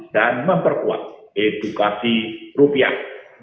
dan memperkuat edukasi rupiah